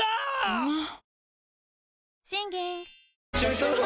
うまっ！！